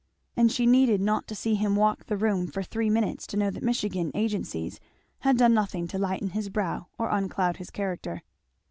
And she needed not to see him walk the room for three minutes to know that Michigan agencies had done nothing to lighten his brow or uncloud his character.